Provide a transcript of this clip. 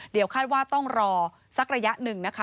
เพราะว่าต้องรอสักระยะหนึ่งนะคะ